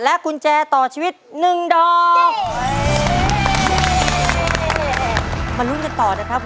และกุญแจต่อชีวิตหนึ่งทอ